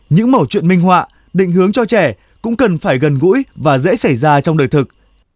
những mẫu chuyện minh họa định hướng cho trẻ cũng cần phải gần gũi và dễ xảy ra trong đời thực